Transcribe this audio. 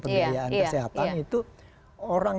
pendidikan kesehatan itu orang